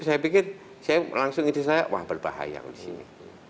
saya pikir saya langsung istri saya wah berbahaya di sini